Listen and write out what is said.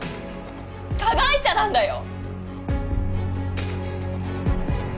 加害者なんだよ！